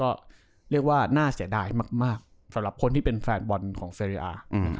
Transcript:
ก็เรียกว่าน่าเสียดายมากสำหรับคนที่เป็นแฟนบอลของเซริอา